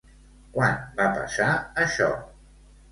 Quan va passar això?